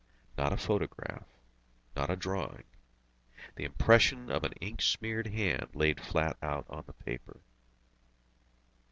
Not a photograph. Not a drawing. The impression of an ink smeared hand laid flat on the paper.